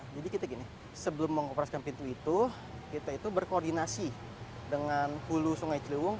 jadi kita gini sebelum mengoperasikan pintu itu kita itu berkoordinasi dengan hulu sungai ciliwung